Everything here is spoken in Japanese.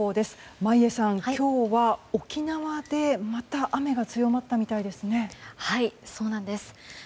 眞家さん、今日は沖縄でまた雨が強まったみたいですね。